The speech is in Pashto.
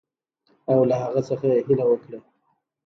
او له هغه څخه یې هیله وکړه.